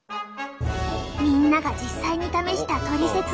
みんなが実際に試したトリセツ。